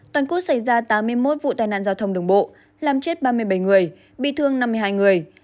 toàn quốc xảy ra tám mươi một vụ tai nạn giao thông đường bộ làm chết ba mươi bảy người bị thương năm mươi hai người